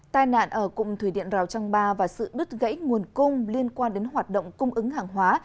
tai nạn ở cụm thủy điện rào trang ba và sự đứt gãy nguồn cung liên quan đến hoạt động cung ứng hàng hóa